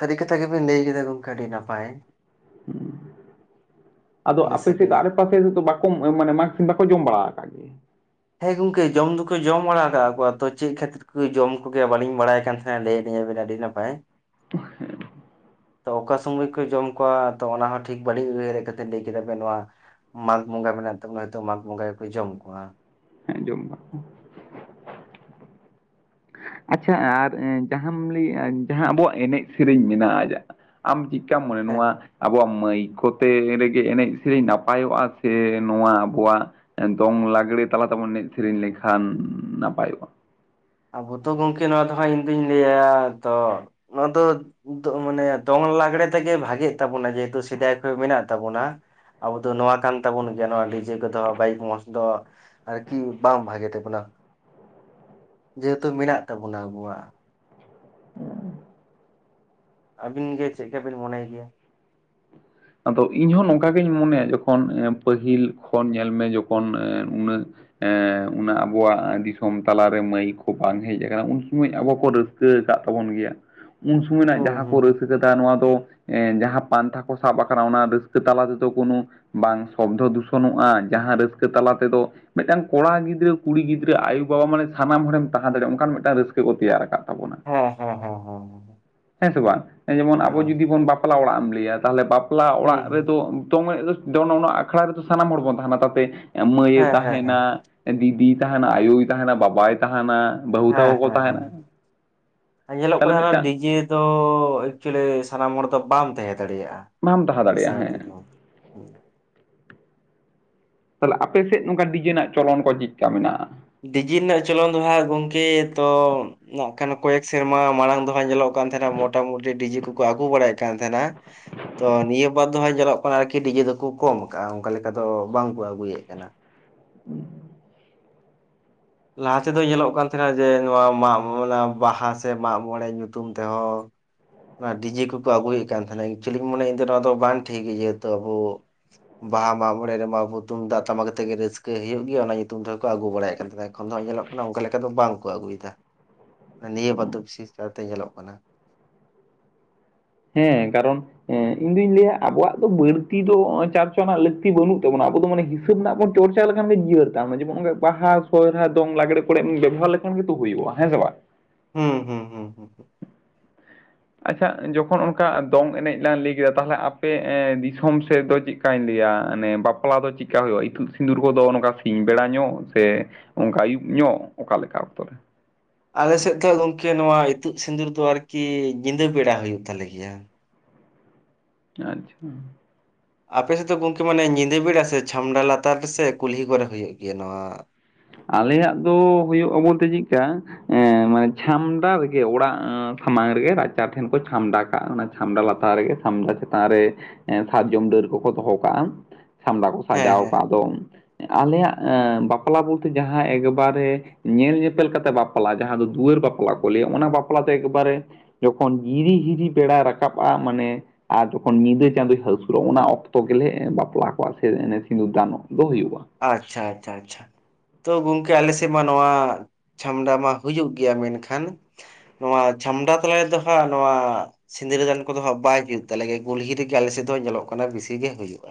ᱥᱟᱹᱨᱤ ᱠᱟᱛᱷᱟ ᱜᱮᱵᱤᱱ ᱞᱟᱹᱭ ᱠᱮᱫᱟ ᱜᱚᱝᱠᱮ, ᱟᱹᱰᱤ ᱱᱟᱯᱟᱭ᱾ ᱟᱫᱚ ᱟᱞᱮ ᱟᱯᱮ ᱥᱮ ᱥᱟᱹᱜᱟᱹᱭ ᱫᱟᱜ ᱨᱮ-ᱯᱟᱥ ᱥᱮᱡ ᱨᱮᱫᱚ ᱵᱟᱠᱚᱢ ᱮ ᱢᱟᱱᱮ 'ᱢᱟᱜᱽ ᱥᱤᱢ' ᱵᱟᱠᱚ ᱡᱚᱢ ᱵᱟᱲᱟ ᱠᱟᱫ ᱜᱮᱭᱟ? ᱦᱮᱸ ᱜᱚᱝᱠᱮ, ᱡᱚᱢ ᱫᱚᱠᱚ, ᱡᱚᱢ ᱵᱟᱲᱟ ᱠᱟᱜ ᱠᱚᱣᱟ ᱛᱚ ᱪᱮᱜ ᱠᱷᱟᱹᱛᱤᱨ? ᱦᱩᱭ ᱡᱚᱢ ᱠᱚᱜᱮᱭᱟ ᱵᱟᱞᱤᱧ ᱵᱟᱲᱟᱭ ᱠᱟᱱ ᱛᱷᱮᱱ, ᱞᱟᱹᱭᱟᱞᱤ ᱧᱟᱵᱮᱱ ᱟᱹᱰᱤ ᱱᱟᱯᱟᱭ᱾ [unintelligible] ᱛᱚ ᱚᱠᱟ ᱥᱚᱢᱚᱭ ᱠᱚ ᱡᱚᱢ ᱠᱚᱣᱟ ᱛᱚ ᱚᱱᱟ ᱦᱚᱸ ᱴᱷᱤᱠ ᱵᱟᱹᱞᱤᱧ ᱩᱭᱦᱟᱹᱨᱮᱜ ᱠᱟᱛᱮ ᱞᱟᱹᱭ ᱠᱮᱫᱟ ᱵᱮᱱ᱾ ᱱᱚᱣᱟ 'ᱢᱟᱜᱽ ᱵᱚᱸᱜᱟ' ᱢᱮᱱᱟᱜ ᱛᱟᱵᱚᱱᱟ, ᱣᱤᱛᱚᱜ 'ᱢᱟᱜᱽ ᱵᱚᱸᱜᱟ' ᱣᱮᱠᱚ ᱡᱚᱢ ᱠᱚᱶᱟ᱾ ᱦᱮᱸ, ᱡᱚᱢ ᱟᱠᱚ᱾ ᱟᱪᱪᱷᱟ ᱟᱨ ᱮᱸ ᱡᱟᱦᱟᱢ ᱞᱟᱹᱭᱮᱜᱼᱟ, ᱡᱟᱦᱟᱸ ᱟᱵᱚᱣᱟᱜ ᱮᱱᱮᱡ-ᱥᱮᱹᱨᱮᱹᱧ ᱢᱮᱱᱟᱜᱼᱟ ᱡᱟ ᱟᱢ ᱪᱮᱜ ᱠᱟᱢ ᱢᱚᱱᱮᱭᱟ, ᱦᱮᱸ ᱱᱚᱣᱟ ᱟᱵᱚᱣᱟᱜ ᱢᱟᱹᱭ ᱠᱚᱛᱮ ᱨᱮᱜᱮ ᱮᱱᱮᱡ-ᱥᱮᱨᱮᱧ ᱱᱟᱯᱟᱭᱚᱜᱼᱟ ᱥᱮ ᱱᱚᱣᱟ ᱟᱵᱚᱣᱟᱜ ᱮᱸ ᱫᱚᱝ ᱞᱟᱜᱽᱲᱮ ᱛᱟᱞᱟ ᱛᱮᱵᱚᱱ ᱱᱮᱡ-ᱥᱮᱨᱮᱧ ᱞᱮᱠᱷᱟᱱ ᱱᱟᱯᱟᱭᱚᱜᱼᱟ? ᱟᱵᱚ ᱛᱚ ᱜᱚᱝᱠᱮ ᱱᱚᱣᱟ ᱫᱚ ᱦᱟᱸᱜ ᱤᱧ ᱫᱩᱧ ᱞᱟᱹᱭᱟ ᱛᱚ ᱱᱚᱣᱟ ᱫᱚ ᱫᱚᱜ ᱢᱟᱱᱮ ᱫᱚᱝ ᱞᱟᱜᱽᱲᱮ ᱛᱮᱜᱮ ᱵᱷᱟᱜᱮᱜ ᱛᱟᱵᱚᱱᱟ ᱡᱮᱦᱮᱛᱩ ᱥᱮᱫᱟᱭ ᱠᱷᱚᱡ ᱢᱮᱱᱟᱜ ᱛᱟᱵᱚᱱᱟ ᱾ ᱟᱵᱚ ᱫᱚ ᱱᱚᱣᱟ ᱠᱟᱱ ᱛᱟᱵᱚᱱ ᱜᱮᱭᱟ ᱱᱚᱣᱟ ᱰᱤᱡᱮ ᱠᱚᱫᱚ ᱵᱟᱭᱤᱠ ᱢᱚᱸᱡᱽ ᱫᱚ ᱾ ᱟᱨ ᱠᱤ ᱵᱟᱝ ᱵᱷᱟᱜᱮ ᱛᱟᱵᱚᱱᱟ ᱾ ᱡᱮᱦᱮᱛᱩ ᱢᱮᱱᱟᱜ ᱛᱟᱵᱚᱱᱟ ᱟᱵᱚᱣᱟᱜ ᱾ [inaudible] ᱟᱹᱵᱤᱱ ᱜᱮ ᱪᱮᱜᱠᱟ ᱵᱤᱱ ᱢᱚᱱᱮᱭ ᱜᱮᱭᱟ? ᱟᱫᱚ ᱤᱧᱦᱚᱸ ᱱᱚᱝᱠᱟ ᱜᱤᱧ ᱢᱚᱱᱮᱭᱟ ᱡᱚᱠᱷᱚᱱ ᱯᱟᱹᱦᱤᱞ ᱠᱷᱚᱱ ᱧᱮᱞ ᱢᱮ ᱡᱚᱠᱷᱚᱱ ᱩᱱᱟᱹᱜ ᱮ ᱚᱱᱟ ᱟᱵᱚᱣᱟᱜ ᱫᱤᱥᱚᱢ ᱛᱟᱞᱟᱨᱮ ᱢᱟᱹᱭᱤᱠ ᱠᱚ ᱵᱟᱝ ᱦᱮᱡ ᱠᱟᱱᱟ ᱩᱱ ᱥᱚᱢᱚᱭ ᱟᱵᱚ ᱠᱚ ᱨᱟᱹᱥ ᱠᱟᱹ ᱟᱠᱟᱫ ᱛᱟᱵᱚᱱ ᱜᱮᱭᱟ ᱩᱱ ᱥᱚᱢᱚᱭ ᱨᱮᱱᱟᱜ ᱦᱩᱸ ᱡᱟᱦᱟᱸ ᱦᱩᱸ ᱠᱚ ᱨᱟᱹᱥ ᱠᱟᱫᱟ ᱱᱚᱣᱟ ᱫᱚ ᱮᱸ ᱡᱟᱦᱟᱸ ᱯᱟᱱᱛᱷᱟ ᱠᱚ ᱥᱟᱵ ᱵᱟᱠᱷᱟᱨᱟ ᱚᱱᱟ ᱨᱟᱹᱥᱠᱟᱹ ᱛᱟᱞᱟ ᱛᱮᱫᱚ ᱠᱳᱱᱳ, ᱵᱟᱝ ᱥᱚᱵᱽᱫᱷᱚ ᱫᱩᱥᱚᱱᱚᱜᱼᱟ ᱡᱟᱦᱟᱸ ᱨᱟᱹᱥᱠᱟᱹ ᱛᱟᱞᱟ ᱛᱮᱫᱚ ᱢᱤᱫᱴᱟᱝ ᱠᱚᱲᱟ ᱜᱤᱫᱽᱨᱟᱹ ᱠᱩᱲᱤ ᱜᱤᱫᱽᱨᱟᱹ ᱟᱭᱳᱵᱟ ᱢᱟᱱᱮ ᱥᱟᱱᱟᱢ ᱦᱚᱲᱮᱢ ᱛᱟᱦᱮᱸ ᱫᱟᱲᱭᱟᱜ ᱚᱱᱠᱟᱱ ᱢᱤᱫᱴᱟᱝ ᱨᱟᱹᱥᱠᱟᱹ ᱠᱚ ᱛᱮᱭᱟᱨ ᱟᱠᱟᱫ ᱛᱟᱵᱚᱱᱟ ᱾ ᱦᱮᱸ ᱦᱮᱸ ᱦᱮᱸ, ᱦᱮᱸ ᱥᱮ ᱵᱟᱝ ᱮᱸ ᱡᱮᱢᱚᱱ ᱟᱵᱚ ᱦᱮᱸ ᱡᱩᱫᱤ ᱵᱚᱱ ᱵᱟᱯᱞᱟ ᱚᱲᱟᱜ ᱮᱢ ᱞᱮᱹᱭᱟ ᱛᱟᱞᱦᱮ ᱵᱟᱯᱞᱟ ᱚᱲᱟᱜ ᱦᱩᱸ ᱨᱮᱫᱚ ᱫᱚᱢ ᱡᱚᱱ ᱚᱱᱟ ᱟᱠᱷᱲᱟ ᱨᱮᱫᱚ ᱥᱟᱱᱟᱢ ᱦᱚᱲ ᱵᱚᱱ ᱛᱟᱦᱮᱱᱟ ᱛᱟᱛᱮ ᱢᱟᱹᱭᱮ ᱦᱮᱸ ᱦᱮᱸ ᱦᱮᱸ ᱛᱟᱦᱮᱸᱱᱟ ᱫᱤᱫᱤ ᱛᱟᱦᱮᱸᱱᱟ ᱟᱭᱳᱭ ᱛᱟᱦᱮᱸᱱᱟ ᱵᱟᱵᱟᱭ ᱛᱟᱦᱮᱸᱱᱟ ᱦᱮᱸ ᱦᱮᱸ ᱦᱮᱸ ᱧᱮᱞᱚᱜ ᱛᱟᱦᱚᱞᱮ ᱠᱟᱱᱟ ᱢᱤᱫᱴᱟᱝ ᱰᱤᱡᱮ ᱫᱚ ᱮᱠᱪᱩᱭᱮᱞᱤ ᱥᱟᱱᱟᱢ ᱦᱚᱲ ᱫᱚ ᱵᱟᱢ ᱛᱟᱦᱮᱸ ᱫᱟᱲᱮᱭᱟᱜᱼᱟ ᱾ ᱵᱟᱢ ᱛᱟᱦᱮᱸ ᱫᱟᱲᱮᱭᱟᱜᱼᱟ ᱦᱮᱸ ᱾ ᱛᱟᱞᱮ ᱟᱯᱮ ᱥᱮᱫ ᱱᱚᱝᱠᱟ ᱰᱤᱡᱮᱱᱟᱜ ᱪᱚᱞᱚᱱ ᱠᱚ ᱪᱤᱠᱠᱟ ᱢᱮᱱᱟᱜᱼᱟ? ᱰᱤᱡᱮ ᱱᱟᱜ ᱪᱚᱞᱚᱱ ᱫᱚ ᱦᱟᱸᱜ ᱜᱚᱝᱠᱮ ᱛᱚ ᱱᱟᱜ ᱠᱷᱟᱱ ᱠᱚᱭᱮᱠ ᱥᱮᱨᱢᱟ ᱢᱟᱲᱟᱝ ᱫᱚᱦᱟᱸᱜ ᱧᱮᱞᱚᱜ ᱠᱟᱱ ᱛᱟᱦᱮᱱᱟ ᱢᱳᱴᱟᱢᱩᱴᱤ ᱰᱤᱡᱮ ᱠᱚᱠᱚ ᱟᱹᱜᱩ ᱵᱟᱲᱟᱭᱮᱫ ᱠᱟᱱ ᱛᱟᱦᱮᱱᱟ ᱾ ᱛᱚ ᱱᱤᱭᱟᱹ ᱵᱟᱫ ᱫᱚᱦᱟᱸᱜ ᱧᱮᱞᱚᱜ ᱠᱟᱱᱟ ᱟᱨᱠᱤ ᱰᱤᱡᱮ ᱫᱚᱠᱚ ᱠᱚᱢ ᱠᱟᱜᱼᱟ ᱚᱝᱠᱟ ᱞᱮᱠᱟ ᱫᱚ ᱵᱟᱝ ᱠᱚ ᱟᱹᱜᱩᱭᱮᱫ ᱠᱟᱱᱟ ᱾ [inaudible] ᱞᱟᱦᱟ ᱛᱮᱫᱚ ᱧᱮᱞᱚᱜ ᱠᱟᱱ ᱛᱟᱦᱮᱱᱟ ᱡᱮ ᱱᱚᱣᱟ ᱢᱟᱜ ᱢᱚᱱᱟ ᱵᱟᱦᱟ ᱥᱮ ᱢᱟᱜ ᱢᱚᱬᱮ ᱧᱩᱛᱩᱢ ᱛᱮᱦᱚᱸ ᱚᱱᱟ ᱰᱤᱡᱮ ᱠᱚᱠᱚ ᱟᱹᱜᱩᱭᱮᱫ ᱠᱟᱱ ᱛᱟᱦᱮᱱᱟ ᱮᱠᱪᱩᱭᱮᱞᱤ ᱢᱚᱱᱮ ᱤᱧ ᱫᱚ ᱱᱚᱣᱟ ᱫᱚ ᱵᱟᱝ ᱴᱷᱤᱠᱜᱮ ᱡᱮᱦᱮᱛᱩ ᱟᱵᱚ ᱵᱟᱦᱟ ᱢᱟᱜ ᱢᱚᱬᱮ ᱨᱮᱢᱟ ᱛᱩᱢᱫᱟᱹᱜ ᱴᱟᱢᱟᱠ ᱟᱛᱮᱜ ᱜᱮ ᱨᱟᱹᱥᱠᱟᱹ ᱦᱩᱭᱩᱜ ᱜᱮᱭᱟ ᱚᱱᱟ ᱧᱩᱛᱩᱢ ᱛᱮᱦᱚᱸᱠᱚ ᱟᱹᱜᱩ ᱵᱟᱲᱟᱭ ᱠᱟᱱ ᱛᱟᱦᱮᱸ ᱾ ᱮᱠᱷᱚᱱ ᱫᱚ ᱧᱮᱞᱚᱜ ᱠᱟᱱᱟ ᱚᱱᱠᱟ ᱞᱮᱠᱟ ᱫᱚ ᱵᱟᱝ ᱠᱚ ᱟᱹᱜᱩᱭᱫᱟ ᱱᱤᱭᱟᱹ ᱵᱟᱫᱽᱫᱷᱚ ᱵᱤᱥᱮᱥ ᱠᱟᱨᱛᱮ ᱧᱮᱞᱚᱜ ᱠᱟᱱᱟ ᱾ ᱦᱮᱸ ᱠᱟᱨᱚᱱ ᱮ ᱤᱧ ᱫᱩᱧ ᱞᱟᱹᱭᱟ ᱟᱵᱚᱣᱟᱜ ᱫᱚ ᱵᱟᱹᱲᱛᱤ ᱫᱚ ᱪᱟᱨᱪᱚᱢᱟ ᱞᱟᱹᱠᱛᱤ ᱵᱟᱹᱱᱩᱜ ᱛᱟᱵᱚᱱᱟ ᱟᱵᱚ ᱫᱚ ᱢᱟᱱᱮ ᱦᱤᱥᱟᱹᱵ ᱨᱮᱱᱟᱜ ᱵᱚᱱ ᱪᱚᱨᱪᱟ ᱞᱮᱠᱷᱟᱱ ᱜᱮ ᱡᱤᱭᱟᱹᱲ ᱛᱟᱢ ᱡᱮᱢᱚᱱ ᱚᱱᱠᱟ ᱵᱟᱦᱟ ᱥᱚᱨᱦᱟᱭ ᱫᱚᱝ ᱞᱟᱜᱽᱲᱮ ᱠᱚᱨᱮᱢ ᱵᱮᱵᱚᱦᱟᱨ ᱞᱮᱠᱷᱟᱱ ᱠᱷᱟᱱ ᱜᱮ ᱛᱚ ᱦᱩᱭᱩᱜᱼᱟ ᱦᱮᱸ ᱥᱮ ᱵᱟᱝ? ᱦᱩᱸ ᱦᱩᱸ ᱦᱩᱸ ᱦᱩᱸ, ᱟᱪᱪᱷᱟ ᱡᱚᱠᱷᱚᱱ ᱚᱱᱠᱟ ᱫᱚᱝ ᱮᱱᱮᱡ ᱞᱟᱝ ᱞᱟᱹᱭ ᱠᱮᱫᱟ ᱛᱟᱞᱦᱮ ᱟᱯᱮ ᱮᱸ ᱫᱤᱥᱚᱢ ᱥᱮᱫ ᱫᱚ ᱪᱤᱜ ᱠᱟᱧ ᱞᱟᱹᱭᱟ ᱢᱟᱱᱮ ᱵᱟᱯᱞᱟ ᱫᱚ ᱪᱤᱠᱟ ᱦᱩᱭᱩᱜᱼᱟ ᱤᱛᱩᱫ ᱥᱤᱸᱫᱩᱨ ᱠᱚᱫᱚ ᱚᱼᱱᱚᱝᱠᱟ ᱥᱤᱧ ᱵᱮᱲᱟ ᱧᱚᱜ ᱥᱮ ᱚᱱᱠᱟ ᱟᱹᱭᱩᱵ ᱧᱚᱜ ᱚᱠᱟᱞᱮᱠᱟ ᱚᱠᱛᱚ ᱨᱮ? ᱟᱞᱮ ᱥᱮᱫ ᱫᱚ ᱜᱚᱝᱠᱮ ᱱᱚᱣᱟ ᱤᱛᱩᱫ ᱥᱤᱸᱫᱩᱨ ᱫᱚ ᱟᱨᱠᱤ ᱧᱤᱫᱟᱹ ᱵᱮᱲᱟ ᱦᱩᱭᱩᱜ ᱛᱟᱞᱮ ᱜᱮᱭᱟ ᱾ ᱟᱪᱪᱷᱟ [inaudible] ᱟᱯᱮ ᱥᱮᱫ ᱫᱚ ᱜᱚᱝᱠᱮ ᱢᱟᱱᱮ ᱧᱤᱫᱟᱹ ᱵᱮᱲᱟ ᱥᱮ ᱪᱷᱟᱢᱰᱟ ᱞᱟᱛᱟᱨ ᱥᱮ ᱠᱩᱞᱦᱤ ᱠᱚᱨᱮ ᱦᱩᱭᱩᱜ ᱜᱮᱭᱟ ᱱᱚᱣᱟ? ᱟᱞᱮᱭᱟᱜ ᱫᱚ ᱦᱳᱭᱳᱜᱼᱟ ᱵᱚᱞᱛᱮ ᱪᱤᱠᱟ ᱮᱸ ᱢᱟᱱᱮ ᱪᱷᱟᱢᱰᱟ ᱨᱮᱜᱮ ᱚᱲᱟᱜ ᱥᱟᱢᱟᱝ ᱨᱮᱜᱮ ᱨᱟᱪᱟ ᱴᱷᱮᱱ ᱠᱚ ᱪᱷᱟᱢᱰᱟ ᱠᱟᱜᱼᱟ ᱾ᱚᱱᱟ ᱥᱟᱢᱰᱟ ᱞᱟᱛᱟᱨ ᱨᱮᱜᱮ ᱥᱟᱢᱰᱟ ᱪᱮᱛᱟᱱ ᱨᱮ ᱥᱟᱨᱡᱚᱢ ᱰᱟᱹᱨ ᱠᱚᱠᱚ ᱫᱚᱦᱚ ᱠᱟᱜᱼᱟ ᱾ ᱥᱟᱢᱰᱟ ᱠᱚ ᱦᱮᱸ ᱥᱟᱡᱟᱣ ᱦᱮᱸ ᱟᱠᱟᱫ ᱫᱚ ᱟᱞᱮᱭᱟᱜ ᱵᱟᱯᱞᱟ ᱵᱚᱞᱛᱮ ᱡᱟᱦᱟᱸ ᱮᱠᱵᱟᱨᱮ ᱧᱮᱞ ᱧᱮᱯᱮᱞ ᱠᱟᱛᱮ ᱵᱟᱯᱞᱟ ᱡᱟᱦᱟᱸ ᱫᱚ ᱫᱩᱣᱟᱹᱨ ᱵᱟᱯᱞᱟ ᱠᱚ ᱞᱟᱹᱭᱟ ᱚᱱᱟ ᱵᱟᱯᱞᱟ ᱫᱚ ᱮᱠᱵᱟᱨᱮ ᱡᱚᱠᱷᱚᱱ ᱜᱤᱨᱤ-ᱦᱤᱨᱤ ᱵᱮᱲᱟᱭ ᱨᱟᱠᱟᱵᱼᱟ, ᱢᱟᱱᱮ ᱟᱨ ᱡᱚᱠᱷᱚᱱ ᱧᱤᱫᱟᱹ ᱪᱟᱸᱫᱚ ᱦᱟᱹᱥᱩᱨᱚᱜ, ᱚᱱᱟ ᱚᱠᱛᱚ ᱜᱮᱞᱮ ᱵᱟᱯᱞᱟ ᱠᱚᱣᱟᱜ ᱥᱮ ᱥᱤᱸᱫᱩᱨ ᱫᱟᱱᱚᱜ ᱫᱚ ᱦᱩᱭᱩᱜᱼᱟ᱾ ᱟᱪᱪᱷᱟ, ᱟᱪᱪᱷᱟ, ᱟᱪᱪᱷᱟ᱾ ᱜᱚᱢᱠᱮ ᱟᱞᱮ ᱥᱮᱫ ᱢᱟ ᱱᱚᱣᱟ ᱪᱷᱟᱹᱢᱰᱟ ᱢᱟ ᱦᱩᱭᱩᱜ ᱜᱮᱭᱟ, ᱢᱮᱱᱠᱷᱟᱱ ᱱᱚᱣᱟ ᱪᱷᱟᱢᱰᱟ ᱛᱟᱞᱟᱨ ᱫᱚ ᱦᱟᱸᱜ, ᱱᱚᱣᱟ ᱥᱤᱸᱫᱽᱨᱟᱹ ᱫᱟᱱ ᱠᱚᱫᱚ ᱦᱟᱸᱜ ᱵᱟᱭ ᱡᱩᱛ ᱛᱟᱞᱮᱜᱮᱭᱟ᱾ ᱠᱩᱞᱦᱤ ᱨᱮᱜᱮ ᱟᱞᱮᱥᱮᱫ ᱫᱚ ᱧᱮᱞᱚᱜ ᱠᱟᱱᱟ ᱵᱮᱥᱤᱜ ᱜᱮ ᱦᱩᱭᱩᱜᱼᱟ᱾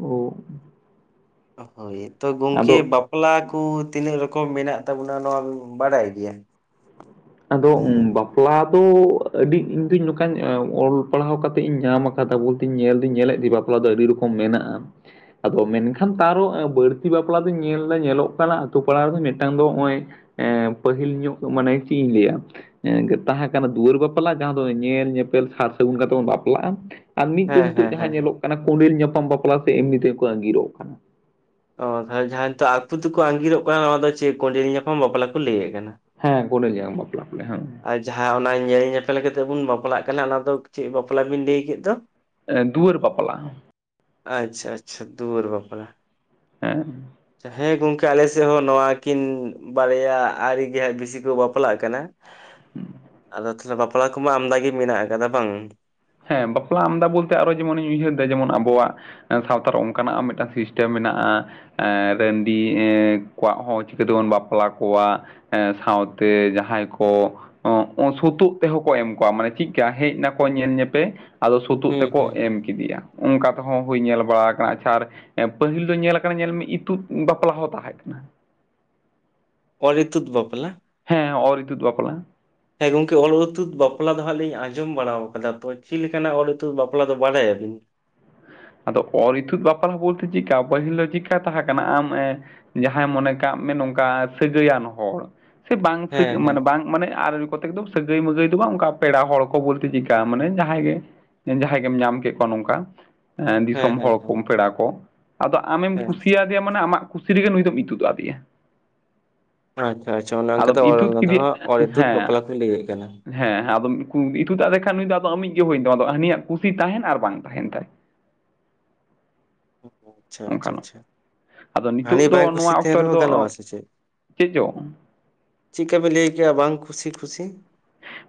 ᱚᱸ᱾ ᱦᱳᱭ ᱛᱚ ᱜᱚᱝᱠᱮ ᱵᱟᱯᱞᱟ ᱠᱚ ᱛᱤᱱᱟᱹᱜ ᱨᱚᱠᱚᱢ ᱢᱮᱱᱟᱜ ᱛᱟᱵᱚᱱᱟ ᱱᱚᱣᱟ ᱵᱟᱰᱟᱭ ᱜᱮᱭᱟ? ᱟᱫᱚ ᱵᱟᱯᱞᱟ ᱫᱚ ᱟᱹᱰᱤ ᱤᱧᱫᱩᱧ ᱱᱚᱝᱠᱟᱧ ᱚᱞ ᱯᱟᱲᱦᱟᱣ ᱠᱟᱛᱮ ᱤᱧ ᱧᱟᱢ ᱟᱠᱟᱫᱟ ᱠᱟᱛᱷᱟ ᱵᱚᱞ ᱛᱮ ᱧᱮᱞ ᱫᱩᱧ ᱧᱮᱞᱮᱫ ᱜᱮ, ᱵᱟᱯᱞᱟ ᱫᱚ ᱟᱹᱰᱤ ᱨᱚᱠᱚᱢ ᱢᱮᱱᱟᱜᱼᱟ? ᱟᱫᱚ ᱢᱮᱱᱠᱷᱟᱱ ᱛᱟᱨᱚ ᱵᱟᱹᱲᱛᱤ ᱵᱟᱯᱞᱟ ᱫᱚᱧ ᱧᱮᱞ ᱮᱫᱟ, ᱧᱮᱞᱚᱜ ᱠᱟᱱᱟ ᱟᱹᱛᱩ ᱯᱟᱲᱟ ᱨᱮᱫᱚ ᱢᱤᱫᱴᱟᱝ ᱫᱚ ᱱᱚᱜᱼᱚᱭ ᱮᱸᱻ ᱯᱟᱹᱦᱤᱞ ᱧᱚᱜ ᱢᱟᱱᱮ ᱪᱮᱫ ᱤᱧ ᱞᱟᱹᱭᱟ ᱮᱸ ᱛᱟᱦᱮᱸ ᱠᱟᱱᱟ, ᱫᱩᱣᱟᱹᱨ ᱵᱟᱯᱞᱟ᱾ ᱡᱟᱦᱟᱸ ᱫᱚ ᱧᱮᱞ ᱧᱮᱯᱮᱞ ᱥᱟᱨ ᱥᱟᱹᱜᱩᱱ ᱠᱟᱛᱮᱜ ᱵᱚᱱ ᱵᱟᱯᱞᱟᱜᱼᱟ᱾ ᱟᱨ ᱢᱤᱫ ᱫᱚ ᱦᱮᱸ ᱱᱤᱛᱚᱜ ᱦᱮᱸ ᱡᱟᱦᱟᱸ ᱦᱮᱸ ᱧᱮᱞᱚᱜ ᱠᱟᱱᱟ᱾ ᱠᱩᱸᱰᱮᱞ ᱧᱟᱯᱟᱢ ᱵᱟᱯᱞᱟ ᱥᱮ ᱮᱢᱱᱤ ᱛᱮᱠᱚ ᱟᱹᱜᱤᱨᱚᱜ ᱠᱟᱱᱟ᱾ ᱚᱸ, ᱡᱟᱦᱟ ᱟᱹᱠᱚ ᱛᱮᱠᱚ ᱟᱸᱜᱤᱨᱚᱜ ᱠᱟᱱᱟ, ᱱᱚᱣᱟ ᱫᱚ ᱪᱮᱫ ᱠᱚᱸᱰᱮᱞ ᱧᱟᱯᱟᱢ ᱵᱟᱯᱞᱟ ᱠᱚ ᱞᱟᱹᱭᱮᱫ ᱠᱟᱱᱟ᱾ ᱦᱮᱸ ᱠᱚᱰᱨᱞ ᱡᱟᱢ ᱵᱟᱯᱞᱟ ᱠᱚ ᱞᱟᱭᱟ ᱦᱮᱸ᱾ ᱟᱨ ᱡᱟᱦᱟᱸ ᱚᱱᱟ ᱧᱮᱞ ᱧᱮᱯᱮᱞ ᱠᱟᱛᱮᱫ ᱵᱚᱱ ᱵᱟᱯᱞᱟᱜ ᱠᱟᱱᱟ, ᱚᱱᱟ ᱫᱚ ᱪᱮᱫ ᱵᱟᱯᱞᱟ ᱵᱤᱱ ᱞᱟᱹᱭ ᱠᱮᱫ ᱫᱚ? ᱮ ᱫᱩᱣᱟᱹᱨ ᱵᱟᱯᱞᱟ᱾ ᱟᱪᱪᱷᱟ, ᱟᱪᱪᱷᱟ, ᱫᱩᱣᱟᱹᱨ ᱵᱟᱯᱞᱟ᱾ ᱦᱮᱸ᱾ ᱦᱮᱸ ᱜᱚᱝᱠᱮ ᱟᱞᱮ ᱥᱮᱫ ᱦᱚᱸ ᱱᱚᱣᱟ ᱠᱤᱱ ᱵᱟᱨᱭᱟ ᱟᱹᱨᱤ ᱜᱮ ᱦᱟᱸᱜ ᱵᱤᱥᱤ ᱠᱚ ᱵᱟᱯᱞᱟᱜ ᱠᱟᱱᱟ᱾ ᱦᱩᱸ᱾ ᱟᱫᱚ ᱛᱟᱦᱚᱞᱮ ᱵᱟᱯᱞᱟ ᱠᱚᱢᱟ ᱟᱢᱫ ᱜᱮ ᱢᱮᱱᱟᱜ ᱟᱠᱟᱫᱟ ᱵᱟᱝ? ᱦᱮᱸ ᱵᱟᱯᱞᱟ ᱟᱢᱫᱟ ᱵᱚᱞᱛᱮ ᱟᱨᱚ ᱡᱮᱢᱚᱱᱤᱧ ᱩᱭᱦᱟᱹᱨ ᱮᱫᱟ, ᱡᱮᱢᱚᱱ ᱟᱵᱚᱣᱟᱜ ᱥᱟᱶᱛᱟ ᱨᱮ ᱚᱱᱠᱟᱱᱟᱜ ᱢᱤᱫᱴᱟᱱ ᱥᱤᱥᱴᱮᱢ ᱢᱮᱱᱟᱜᱼᱟ, ᱨᱟᱺᱰᱤ ᱠᱚᱣᱟᱜ ᱦᱚᱸ ᱪᱤᱠᱟᱹ ᱛᱮᱵᱚᱱ ᱵᱟᱯᱞᱟ ᱠᱚᱣᱟ, ᱥᱟᱶᱛᱮ ᱡᱟᱦᱟᱸᱭ ᱠᱚ ᱥᱩᱛᱩᱜ ᱛᱮᱦᱚᱸ ᱠᱚ ᱮᱢ ᱠᱚᱣᱟ, ᱢᱟᱱᱮ ᱪᱮᱫᱮᱠᱟ ᱦᱮᱡ ᱱᱟᱠᱚ ᱧᱮᱞ ᱧᱮᱯᱮᱞ ᱯᱮ, ᱟᱫᱚ ᱥᱩᱛᱩᱜ ᱦᱩᱸ ᱦᱩᱸ ᱛᱮᱠᱚ ᱮᱢ ᱠᱮᱫᱮᱭᱟ᱾ ᱚᱱᱠᱟ ᱛᱮᱦᱚᱸ ᱦᱩᱭ ᱧᱮᱞ ᱵᱟᱲᱟ ᱟᱠᱟᱱᱟ᱾ ᱟᱪᱪᱷᱟ ᱟᱨ ᱯᱟᱹᱦᱤᱞ ᱫᱚ ᱧᱮᱞ ᱠᱟᱱᱟ, ᱧᱮᱞ ᱢᱮ ᱤᱛᱩᱫ ᱵᱟᱯᱞᱟ ᱦᱚᱸ ᱛᱟᱦᱮᱸ ᱠᱟᱱᱟ᱾ ᱚᱨᱻᱤᱛᱩᱛ ᱵᱟᱯᱞᱟ᱾ ᱦᱮᱸ ᱚᱨᱻᱤᱫᱩᱛᱩᱛ ᱵᱟᱯᱞᱟ᱾ ᱦᱮᱸ ᱜᱚᱝᱠᱮ ᱚᱞ-ᱤᱛᱩᱛ ᱵᱟᱯᱞᱟ ᱫᱚ ᱦᱟᱸᱜ ᱞᱤᱧ ᱟᱸᱡᱚᱢ ᱵᱟᱲᱟ ᱟᱠᱟᱫᱟ ᱛᱚ᱾ ᱪᱮᱫ ᱞᱮᱠᱟᱱᱟᱜ ᱚᱞᱛᱩᱛ ᱵᱟᱯᱞᱟ ᱫᱚ ᱵᱟᱲᱟᱭ ᱟᱵᱤᱱ ᱟᱫᱚ ᱚᱨᱻᱤᱛᱩᱫ ᱵᱟᱯᱞᱟ ᱵᱚᱞᱛᱮ ᱪᱮᱫᱠᱟ ᱯᱟᱹᱦᱤᱞᱳᱜ ᱪᱤᱠᱟ ᱛᱟᱦᱮᱸ ᱠᱟᱱᱟ ᱟᱢ ᱡᱟᱦᱟᱸᱭ ᱢᱚᱱᱮ ᱠᱟᱜ ᱢᱮ ᱱᱚᱝᱠᱟ ᱥᱟᱹᱜᱟᱹᱭᱟᱱ ᱦᱚᱲ ᱥᱮ ᱵᱟᱝ ᱥᱟᱹᱜ ᱦᱮᱸ ᱦᱮᱸ ᱢᱟᱱᱮ ᱵᱟᱝ ᱢᱟᱱᱮ ᱟᱨ ᱠᱚ ᱛᱮᱠᱫᱚᱢ ᱥᱟᱹᱜᱟᱹᱭ ᱢᱟᱜᱟᱹᱭ ᱫᱚ ᱵᱟᱝ, ᱚᱱᱠᱟ ᱯᱮᱲᱟ ᱦᱚᱲ ᱠᱚ ᱵᱚᱞᱛᱮ ᱪᱤᱠᱟᱹᱜᱼᱟ, ᱢᱟᱱᱮ ᱡᱟᱦᱟᱸᱭ ᱜᱮ ᱡᱟᱦᱟᱸᱭ ᱜᱮᱢ ᱧᱟᱢ ᱠᱮᱫ ᱠᱚᱣᱟ ᱱᱚᱝᱠᱟ ᱦᱮᱸ ᱫᱤᱥᱚᱢ ᱦᱮᱸ ᱦᱚᱲ ᱠᱚ ᱦᱮᱸ ᱯᱮᱲᱟ ᱠᱚ, ᱟᱫᱚ ᱟᱢᱮᱢ ᱦᱮᱸ ᱠᱩᱥᱤᱭᱤᱭᱟᱜ ᱭᱟ ᱢᱟᱱᱮ ᱟᱢ ᱠᱩᱥᱤ ᱨᱮᱜᱮ ᱱᱩᱭ ᱫᱚᱢ ᱤᱛᱩᱫ ᱟᱫᱮᱭᱟ᱾ ᱟᱪᱪᱷᱟ, ᱟᱪᱪᱷᱟ ᱚᱱ ᱚᱱᱠᱟ ᱛᱮ ᱟᱫᱚᱢ ᱤᱛᱩᱫ ᱠᱮᱫᱮᱭᱟ ᱤᱛᱩᱫ ᱵᱟᱯᱞᱟ ᱠᱚᱧ ᱞᱟᱹᱭᱮᱫ ᱠᱟᱱᱟ᱾ ᱦᱮᱸ ᱦᱮᱸ, ᱟᱫᱚᱠᱩ ᱤᱛᱩᱫᱟᱜ ᱞᱮᱠᱷᱟᱱ ᱱᱩᱭ ᱫᱚ ᱟᱫᱚ ᱟᱢᱤᱡ ᱜᱮ ᱦᱩᱭ ᱛᱟᱭᱟᱢᱟ᱾ ᱟᱫᱚ ᱦᱟᱹᱱᱤᱭᱟᱜ ᱠᱩᱥᱤ ᱛᱟᱦᱮᱱ ᱟᱨ ᱵᱟᱝ ᱛᱟᱦᱮᱱ ᱛᱟᱭ᱾ ᱟᱪᱪᱷᱟ, ᱟᱪᱪᱷᱟ, ᱚᱱᱠᱟᱱᱟᱜ ᱟᱪᱪᱷᱟ᱾ ᱟᱫᱚ ᱦᱟᱱᱤ ᱱᱤᱛᱚᱜ ᱵᱟᱭ ᱫᱚ ᱱᱚᱣᱟ ᱠᱩᱥᱤ ᱚᱠᱛᱚ ᱛᱟᱦᱮᱸ ᱨᱮᱦᱚᱸ ᱨᱮᱫᱚ ᱜᱟᱱᱚᱜᱼᱟ ᱥᱮ ᱪᱮᱫ? ᱪᱮᱫ ᱪᱚᱝ ᱪᱤᱫᱠᱟ ᱵᱮᱱ ᱞᱟᱹᱭ ᱠᱮᱭᱟ ᱵᱟᱝ ᱠᱷᱩᱥᱤ ᱠᱷᱩᱥᱤ᱾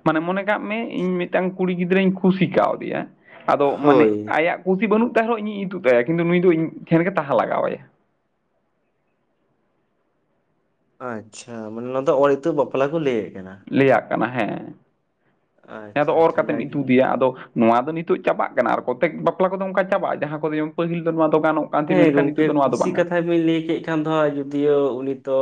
ᱢᱟᱱᱮ ᱢᱚᱱᱮ ᱠᱟᱜ ᱢᱮ ᱤᱧ ᱢᱤᱫᱴᱟᱝ ᱠᱩᱲᱤ ᱜᱤᱫᱽᱨᱟᱹᱧ ᱠᱩᱥᱤ ᱠᱟᱣᱫᱤᱭᱟ᱾ ᱟᱫᱚ ᱢᱟᱱᱮ ᱦᱳᱭ ᱟᱭᱟᱜ ᱠᱩᱥᱤ ᱵᱟᱹᱱᱩᱜ ᱛᱟᱭ ᱨᱮᱦᱚᱸ ᱤᱧᱤᱧ ᱤᱛᱩᱜ ᱟᱭᱟ ᱠᱤᱱᱛᱩ ᱱᱩᱭ ᱫᱚ ᱤᱧᱴᱷᱮᱱ ᱜᱮ ᱛᱟᱦᱮ ᱞᱟᱜᱟᱣᱟᱭᱟ᱾ ᱟᱪᱪᱷᱟ, ᱢᱟᱱᱮ ᱱᱚᱣᱟ ᱫᱚ ᱚᱨ ᱤᱛᱩᱜ ᱵᱟᱯᱞᱟ ᱠᱩ ᱞᱟᱹᱭᱮᱜ ᱠᱟᱱᱟ᱾ ᱞᱟᱹᱭᱟᱜ ᱠᱟᱱᱟ ᱦᱮᱸ, ᱦᱮᱸ ᱟᱪᱪᱷᱟ ᱟᱫᱚ ᱚᱨ ᱟᱪᱪᱷᱟ ᱠᱟᱛᱮᱢ ᱡᱟᱜᱮ ᱤᱛᱩᱫᱮᱭᱟ ᱟᱫᱚ ᱱᱚᱣᱟ ᱫᱚ ᱱᱤᱛᱚᱜ ᱪᱟᱵᱟᱜ ᱠᱟᱱᱟ ᱟᱨ ᱠᱚᱛᱮᱠ ᱵᱟᱯᱞᱟ ᱠᱩᱫᱚ ᱚᱱᱠᱟ ᱪᱟᱵᱟᱜᱼᱟ, ᱡᱟᱦᱟᱸ ᱠᱩᱫᱚ ᱡᱮᱢᱚᱱ ᱯᱟᱹᱦᱤᱞ ᱫᱚ ᱱᱚᱣᱟ ᱫᱚ ᱜᱟᱱᱚᱜ ᱠᱟᱱ ᱛᱟᱦᱮᱸ ᱦᱮᱸ ᱢᱮᱱᱠᱷᱟᱱ ᱜᱚᱢᱠᱮ ᱱᱤᱛᱚᱜ ᱫᱚ ᱱᱚᱣᱟ ᱫᱚ ᱠᱩᱥᱤ ᱵᱟᱝ ᱜᱟᱱᱚᱜ ᱠᱟᱛᱷᱟ ᱵᱤᱱ ᱞᱟᱹᱭ ᱠᱮᱜ ᱠᱷᱟᱱ ᱫᱚ ᱡᱳᱫᱤᱭᱳ ᱩᱱᱤ ᱫᱚ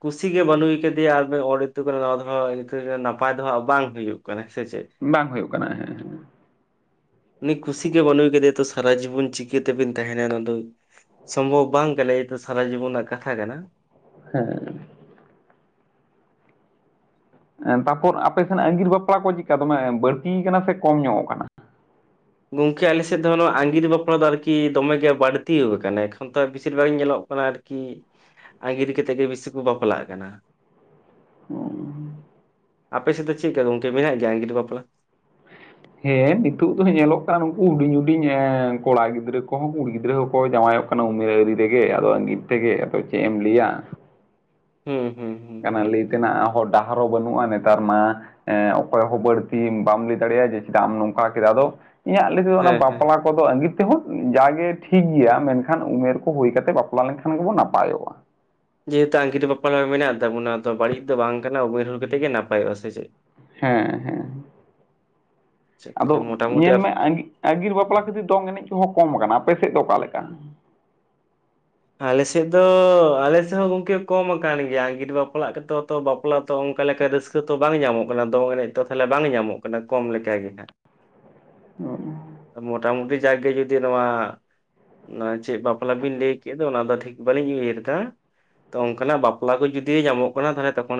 ᱠᱩᱥᱤ ᱜᱮ ᱵᱟᱹᱱᱩᱭ ᱠᱟᱫᱮᱭᱟ ᱟᱨ ᱤᱛᱩᱫᱮ ᱠᱟᱱᱟ ᱱᱚᱣᱟ ᱫᱚ ᱤᱱᱠᱟᱹᱜᱮ ᱱᱟᱯᱟᱭ ᱫᱚᱦᱟᱜ ᱵᱟᱝ ᱦᱩᱭᱩᱜ ᱠᱟᱱᱟ ᱥᱮ ᱪᱮᱫ? ᱵᱟᱝ ᱦᱩᱭᱩᱜ ᱠᱟᱱᱟ ᱮᱦᱮᱸᱜ ᱮᱦᱮᱸ᱾ ᱩᱱᱤ ᱠᱩᱥᱤ ᱜᱮ ᱵᱟᱱᱩᱭ ᱠᱟᱫᱮᱭᱟ ᱛᱚ ᱥᱟᱨᱟ ᱡᱤᱵᱚᱱ ᱪᱤᱠᱟᱹ ᱛᱮᱵᱤᱱ ᱛᱟᱦᱮᱱᱟ ᱚᱱᱟ ᱫᱚ ᱥᱚᱢᱵᱷᱚᱵ ᱵᱟᱝ ᱠᱟᱱᱟ ᱮᱨᱯᱚᱨ ᱥᱟᱨᱟ ᱡᱤᱵᱚᱱ ᱨᱮᱱᱟᱜ ᱠᱟᱛᱷᱟ ᱠᱟᱱᱟ᱾ ᱦᱮᱸᱻᱮᱸ᱾ ᱮᱸ ᱛᱟᱯᱚᱨ ᱟᱯᱮ ᱥᱮᱱᱟᱜ ᱟᱺᱜᱤᱨ ᱵᱟᱯᱞᱟ ᱠᱚ ᱪᱤᱠᱟ ᱫᱚᱢᱮ ᱵᱟᱹᱲᱛᱤ ᱠᱟᱱᱟ ᱥᱮ ᱠᱚᱢ ᱧᱚᱜ ᱠᱟᱱᱟ? ᱜᱚᱝᱠᱮ ᱟᱞᱮ ᱥᱮᱫ ᱫᱚ ᱱᱚᱣᱟ ᱟᱸᱜᱤᱨ ᱵᱟᱯᱞᱟ ᱫᱚ ᱟᱨᱠᱤ ᱫᱚᱢᱮ ᱜᱮ ᱵᱟᱹᱲᱛᱤᱣ ᱠᱟᱱᱟ ᱮᱠᱷᱚᱱ ᱛᱚ ᱵᱤᱥᱤᱨ ᱵᱷᱟᱜ ᱧᱮᱞᱚᱜ ᱠᱟᱱᱟ ᱟᱨ ᱠᱤ ᱟᱸᱜᱤᱨ ᱠᱟᱛᱮᱜ ᱜᱤ ᱵᱤᱥᱤ ᱠᱩ ᱵᱟᱯᱞᱟᱜ ᱠᱟᱱᱟ᱾ [unintelligible] ᱟᱯᱮᱥᱮᱱ ᱫᱚ ᱪᱮᱫ ᱞᱮᱠᱟ ᱜᱚᱝᱠᱮ ᱢᱮᱱᱟᱜ ᱜᱮᱭᱟ ᱟᱸᱜᱤᱨ ᱵᱟᱯᱞᱟ? ᱦᱮᱸ ᱱᱤᱛᱩᱜ ᱫᱚ ᱧᱮᱞᱚᱜ ᱠᱟᱱ ᱩᱱᱩᱠᱩ ᱦᱩᱰᱤᱧ ᱦᱩᱰᱤᱧ ᱮᱸᱻ ᱠᱚᱲᱟ ᱜᱤᱫᱽᱨᱟᱹ ᱠᱩᱦᱚᱸ ᱠᱩᱲᱤ ᱜᱤᱫᱽᱨᱟᱹ ᱦᱚᱸᱠᱚ ᱡᱟᱶᱟᱭᱚᱜ ᱠᱟᱱᱟ ᱩᱢᱮᱨ ᱟᱣᱨᱤ ᱨᱮ ᱜᱮ ᱟᱫᱚ ᱟᱺᱜᱤᱨ ᱛᱮᱜᱮ ᱟᱫᱚ ᱪᱮᱜ ᱮᱢ ᱞᱟᱹᱭᱟ᱾ ᱦᱮᱸ ᱦᱩᱸ᱾ ᱦᱩᱸ ᱦᱩᱸ ᱠᱟᱱᱟ ᱞᱟᱹᱭ ᱛᱮᱱᱟᱜ ᱦᱚᱨ ᱰᱟᱦᱟᱨ ᱦᱚᱸ ᱵᱟᱱᱩᱜᱼᱟ ᱱᱮᱛᱟᱨ ᱢᱟ ᱮᱸᱻ ᱚᱠᱚᱭ ᱦᱚᱸ ᱵᱟᱹᱲᱛᱤ ᱵᱟᱢ ᱞᱟᱹᱭ ᱫᱟᱲᱮᱭᱟᱜᱼᱟ ᱡᱮ ᱪᱮᱫᱟᱜ ᱮᱢ ᱱᱚᱝᱠᱟ ᱠᱮᱫᱟ, ᱟᱫᱚ ᱤᱧᱟᱜ ᱞᱟᱹᱭ ᱛᱮᱫᱚ ᱚᱱᱟ ᱦᱮᱸ ᱦᱮᱸ ᱵᱟᱯᱞᱟ ᱠᱚᱫᱚ ᱟᱺᱜᱤᱨ ᱛᱮᱦᱚᱸ ᱡᱟᱜᱮ ᱴᱷᱤᱠ ᱜᱮᱭᱟ ᱢᱮᱱᱠᱷᱟᱱ ᱩᱢᱮᱨ ᱠᱚ ᱦᱩᱭ ᱠᱟᱛᱮ ᱵᱟᱯᱞᱟ ᱞᱮᱱᱠᱷᱟᱱ ᱜᱮᱵᱩᱱ ᱱᱟᱯᱟᱭᱚᱜᱼᱟ᱾ ᱡᱮᱦᱮᱛᱩ ᱟᱸᱜᱤᱨ ᱵᱟᱯᱞᱟ ᱦᱚ ᱢᱮᱱᱟᱜ ᱛᱟᱵᱩᱱᱟ ᱛᱚ ᱵᱟᱹᱲᱤᱡ ᱫᱚ ᱵᱟᱝ ᱠᱟᱱᱟ ᱩᱢᱮᱨ ᱦᱩᱭ ᱠᱟᱛᱮ ᱜᱮ ᱱᱟᱯᱟᱭᱚᱜᱼᱟ ᱥᱮ ᱪᱮᱫ? ᱦᱮᱸ ᱦᱮᱸ᱾ ᱪᱮᱫ ᱟᱫᱚ ᱛᱟᱦᱚᱞᱮ ᱢᱚᱴᱟᱢᱩᱴᱤ ᱧᱮᱞ ᱢᱮ ᱟᱸᱜᱤ ᱟᱸᱜᱤᱨ ᱵᱟᱯᱞᱟ ᱠᱷᱟᱹᱛᱤᱨ ᱫᱚᱝ ᱮᱱᱮᱡ ᱠᱚᱦᱚᱸ ᱠᱚᱢ ᱟᱠᱟᱱᱟ, ᱟᱯᱮ ᱥᱮᱫ ᱫᱚ ᱚᱠᱟ ᱞᱮᱠᱟ? ᱟᱞᱮ ᱥᱮᱫ ᱫᱚ ᱟᱞᱮ ᱥᱮᱫ ᱦᱚᱸ ᱜᱚᱝᱠᱮ ᱠᱚᱢ ᱟᱠᱟᱱ ᱜᱮᱭᱟ ᱟᱺᱜᱤᱨ ᱵᱟᱯᱞᱟᱜ ᱜᱮ ᱛᱚ ᱵᱟᱯ ᱞᱟ ᱛᱚ ᱚᱱᱠᱟ ᱞᱮᱠᱟ ᱨᱟᱹᱥᱠᱟᱹ ᱛᱚ ᱵᱟᱝ ᱧᱟᱢᱚᱜ ᱠᱟᱱᱟ ᱫᱚᱝ ᱮᱱᱮᱡ ᱛᱚ ᱛᱟᱦᱚᱞᱮ ᱵᱟᱝ ᱧᱟᱢᱚᱜ ᱠᱟᱱᱟ ᱠᱚᱢ ᱞᱮᱠᱟ ᱜᱮ ᱦᱟᱸᱜ᱾ [unintelligible] ᱢᱚᱴᱟᱢᱩᱴᱤ ᱡᱟᱠᱜᱮ ᱡᱩᱫᱤ ᱱᱚᱣᱟ ᱚᱱᱟ ᱪᱮᱜ ᱵᱟᱯᱞᱟ ᱵᱤᱱ ᱞᱟᱹᱭ ᱠᱮᱫ ᱫᱚ ᱚᱱᱟ ᱫᱚ ᱴᱷᱤᱠ ᱵᱟᱞᱤᱧ ᱩᱭᱦᱟᱹᱨ ᱮᱫᱟ᱾ ᱚᱝᱠᱟᱱᱟᱜ ᱵᱟᱯᱞᱟ ᱠᱚ ᱡᱩᱫᱤ ᱧᱟᱢᱚᱜ ᱠᱟᱱᱟ ᱛᱟᱦᱚᱞᱮ ᱛᱚᱠᱷᱚᱱᱮ